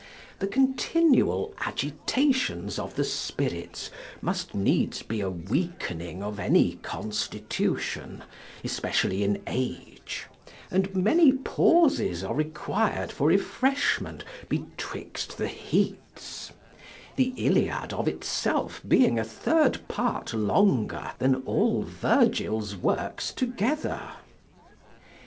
The continual agitations of the spirits must needs be a weakening of any constitution, especially in age; and many pauses are required for refreshment betwixt the heats; the Iliad of itself being a third part longer than all Virgil's works together.